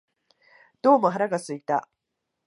どうも腹が空いた